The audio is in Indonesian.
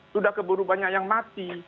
sudah keburu banyak yang mati